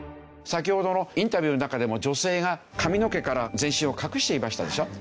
先ほどのインタビューの中でも女性が髪の毛から全身を隠していましたでしょ？